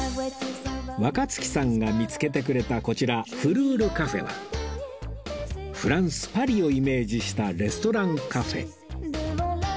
若槻さんが見付けてくれたこちら ｆｌｅｕｒｃａｆｅ はフランスパリをイメージしたレストランカフェ